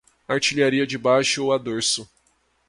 Artilharia de baste ou a dorso